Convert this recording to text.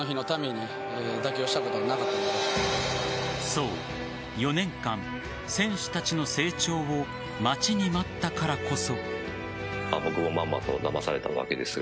そう、４年間選手たちの成長を待ちに待ったからこそ。